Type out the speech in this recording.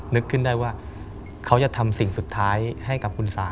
นึกขึ้นได้ว่าเขาจะทำสิ่งสุดท้ายให้กับคุณสา